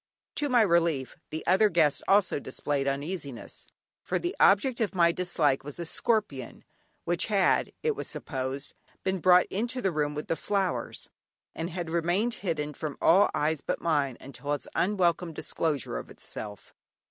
To my relief the other guests also displayed uneasiness, for the object of my dislike was a scorpion, which had, it was supposed, been brought into the room with the flowers, and had remained hidden from all eyes but mine until its unwelcome disclosure of itself.